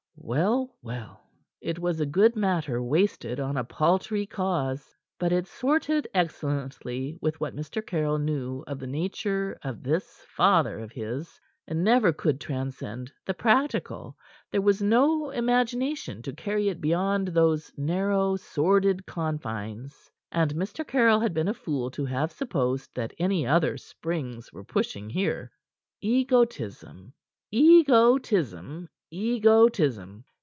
Well, well! It was good matter wasted on a paltry cause. But it sorted excellently with what Mr. Caryll knew of the nature of this father of his. It never could transcend the practical; there was no imagination to carry it beyond those narrow sordid confines, and Mr. Caryll had been a fool to have supposed that any other springs were pushing here. Egotism, egotism, egotism!